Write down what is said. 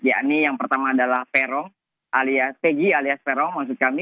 ya ini yang pertama adalah ferong alias pegi alias ferong maksud kami